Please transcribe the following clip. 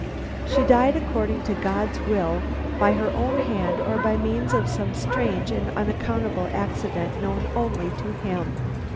She died according to God's will by her own hand or by means of some strange and unaccountable accident known only to Him.